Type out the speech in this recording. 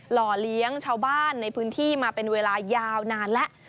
ห่อเลี้ยงชาวบ้านในพื้นที่มาเป็นเวลายาวนานแล้ว